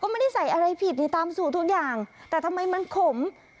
ไม่ได้ใส่อะไรผิดนี่ตามสูตรทุกอย่างแต่ทำไมมันขม